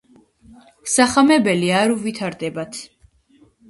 სახამებელი არ უვითარდებათ.